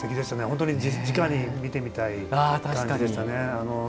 本当に直に見てみたい感じでしたね。